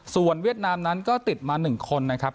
ส่วนเวียดนามนั้นก็ติดมา๑คนนะครับ